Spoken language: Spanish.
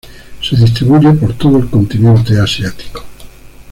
Se distribuye por todo el continente asiático.